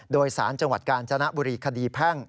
โดยสารจังหวัดกาญจนบุรีคดีแพ่ง